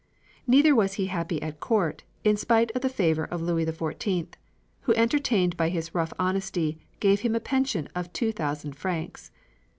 Neither was he happy at court, in spite of the favor of Louis XIV., who, entertained by his rough honesty, gave him a pension of two thousand francs.